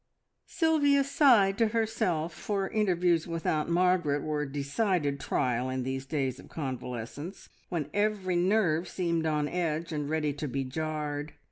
Sylvia sighed to herself, for interviews with Aunt Margaret were a decided trial in these days of convalescence, when every nerve seemed on edge and ready to be jarred.